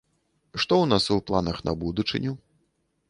Што ў нас у планах на будучыню?